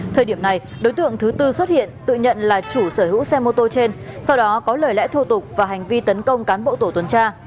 thời điểm này đối tượng thứ tư xuất hiện tự nhận là chủ sở hữu xe mô tô trên sau đó có lời lẽ thô tục và hành vi tấn công cán bộ tổ tuần tra